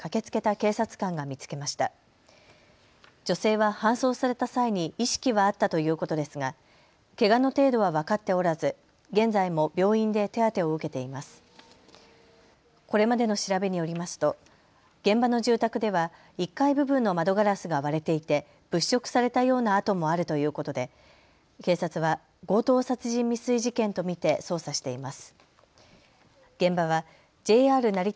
これまでの調べによりますと現場の住宅では１階部分の窓ガラスが割れていて物色されたような跡もあるということで警察は強盗殺人未遂事件と見て捜査しています。